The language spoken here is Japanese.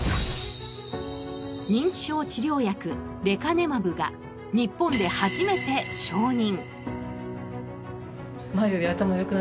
認知症治療薬レカネマブが日本で初めて承認。